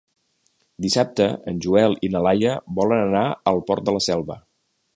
Dissabte en Joel i na Laia volen anar al Port de la Selva.